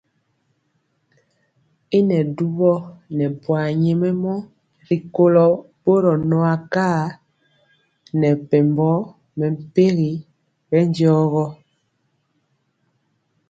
Y nɛ dubɔ nɛ buar nyɛmemɔ rikolo boro nɔ akar nɛ mepempɔ mɛmpegi bɛndiɔ gɔ.